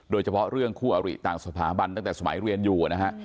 โดยเฉพาะเรื่องคู่อริต่างสถาบันตั้งแต่สมัยเรียนอยู่นะฮะ